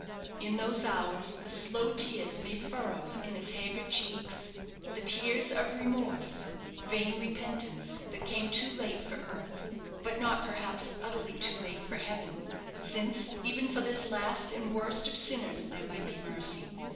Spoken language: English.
In those hours the slow tears made furrows in his haggard cheeks the tears of remorse, vain repentance, that came too late for earth; but not, perhaps, utterly too late for heaven, since, even for this last and worst of sinners, there might be mercy.